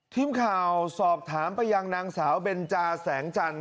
ทีมข่าวสอบถามไปยังนางสาวเบนจาแสงจันท